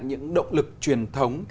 những động lực truyền thống